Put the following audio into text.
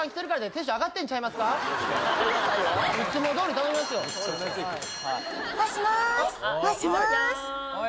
お願いします